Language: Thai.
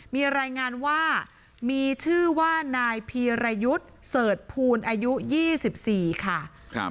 มีรายงานว่ามีชื่อว่านายพีรยุทธ์เสิร์ชภูลอายุ๒๔ค่ะ